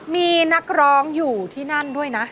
มีนักร้องอยู่ที่นั่นด้วยนะ